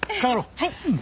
はい。